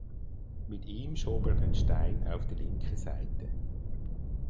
Mit ihm schob er den Stein auf die linke Seite.